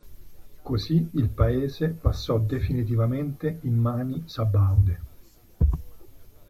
Così, il paese passò definitivamente in mani sabaude.